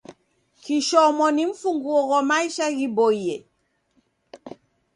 Kishomo ni mfunguo ghwa maisha ghiboie.